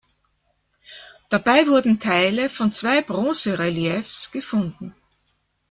Dabei wurden Teile von zwei Bronzereliefs gefunden.